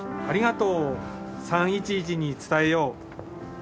ありがとうを３．１１に伝えよう。